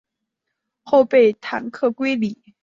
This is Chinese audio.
后被弹劾归里。